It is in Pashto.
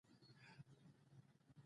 نبض یې بیخي کم چلیده.